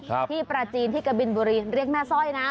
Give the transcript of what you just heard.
ที่ปราจีนที่กะบินบุรีเรียกแม่สร้อยนะ